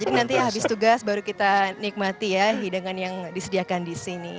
jadi nanti ya habis tugas baru kita nikmati ya hidangan yang disediakan di sini